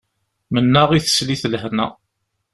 Mennaɣ i teslit lehna.